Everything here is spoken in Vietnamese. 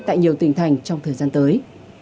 tại nhiều tỉnh thành trong thời gian tới